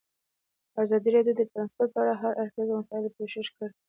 ازادي راډیو د ترانسپورټ په اړه د هر اړخیزو مسایلو پوښښ کړی.